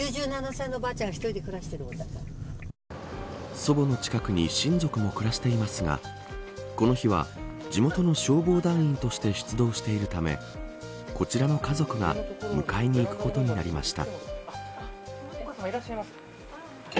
祖母の近くに親族も暮らしていますがこの日は地元の消防団員として出動しているためこちらの家族が迎えに行くことになりました。